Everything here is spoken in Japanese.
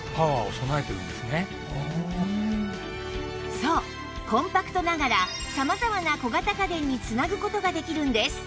そうコンパクトながら様々な小型家電に繋ぐ事ができるんです